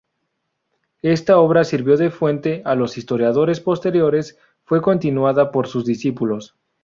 Esta obra sirvió de fuente a los historiadores posteriores; fue continuada por sus discípulos.